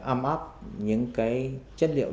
âm áp những cái chất liệu